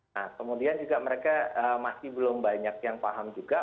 nah kemudian juga mereka masih belum banyak yang paham juga